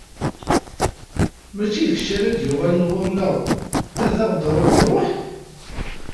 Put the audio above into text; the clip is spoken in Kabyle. Mačči d kečč ara d-yuɣalen ɣur-neɣ, a aɣ-d-terreḍ ṛṛuḥ?